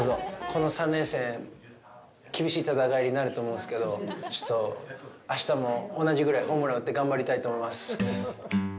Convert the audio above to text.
この３連戦、厳しい戦いになると思うんですけど、あしたも同じぐらいホームランを打って頑張りたいと思います。